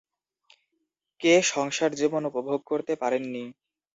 কে সংসারজীবন উপভোগ করতে পারেননি?